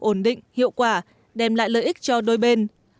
ổn định hiệu quả đem lại lợi ích cho đôi bên